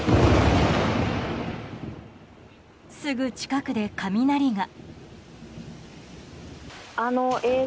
すぐ近くで雷が。